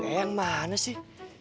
eh yang mana sih